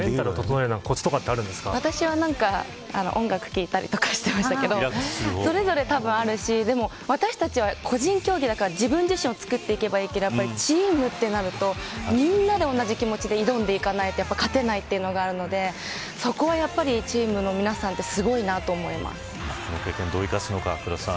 私は音楽を聴いたりとかしてましたけどそれぞれ、たぶんあるしでも、私たちは個人競技だから自分たち自分自身をつくっていけばいいけどチームとなると、みんなで同じ気持ちで挑んでいかないと勝てないのがあるのでそこはチームの皆さんってこの経験をどう生かすのか。